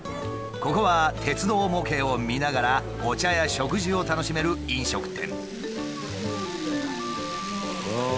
ここは鉄道模型を見ながらお茶や食事を楽しめる飲食店。